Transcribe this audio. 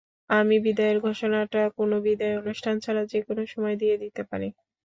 আমি বিদায়ের ঘোষণাটা কোনো বিদায়ী অনুষ্ঠান ছাড়া যেকোনো সময় দিয়ে দিতে পারি।